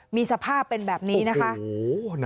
มีสภาพเป็นแบบนี้นะคะโหโหน้ำ